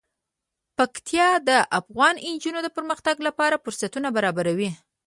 پکتیا د افغان نجونو د پرمختګ لپاره فرصتونه برابروي.